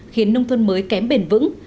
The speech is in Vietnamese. khiến nông thuần mới kém bền vững